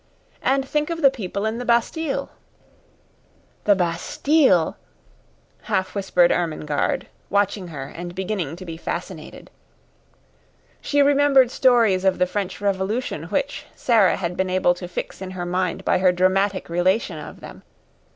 And think of the people in the Bastille!" "The Bastille," half whispered Ermengarde, watching her and beginning to be fascinated. She remembered stories of the French Revolution which Sara had been able to fix in her mind by her dramatic relation of them.